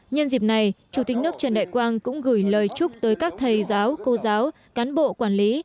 nhân dịp này chủ tịch nước trần đại quang cũng gửi lời chúc tới các thầy giáo cô giáo cán bộ quản lý